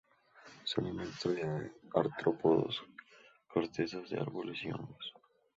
Se alimenta de artrópodos, cortezas de árbol y hongos.